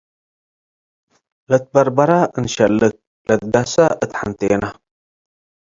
ለትበርበረ እንሸልክ - ለትገሰ እት ሐንቴና